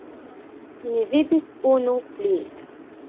Mi vidis unu pli.